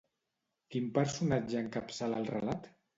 Quin personatge encapçala el relat?